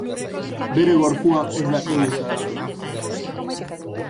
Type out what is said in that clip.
Bere gorpua ez da inoiz agertu.